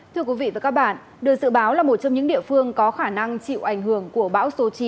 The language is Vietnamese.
thưa quý vị và các bạn được dự báo là một trong những địa phương có khả năng chịu ảnh hưởng của bão số chín